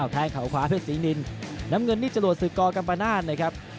แทงเขาขวาเพชรศรีนินน้ำเงินนี่จรวดศึกกกัมปนาศนะครับ